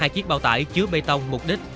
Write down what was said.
hai chiếc bao tải chứa bê tông mục đích